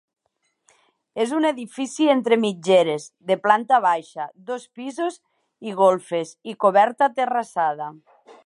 És un edifici entre mitgeres, de planta baixa, dos pisos i golfes i coberta terrassada.